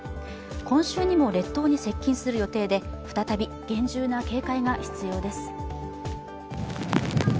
今週にも列島に接近する予定で、再び厳重な警戒が必要です。